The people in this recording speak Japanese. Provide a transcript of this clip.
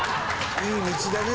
いい道だね